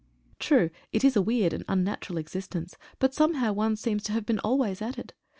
True it is a weird and unnatural existence, but somehow' one seems to have been always at it.